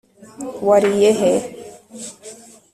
wariye he